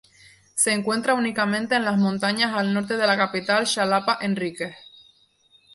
Se encuentra únicamente en las montañas al norte de la capital Xalapa-Enríquez.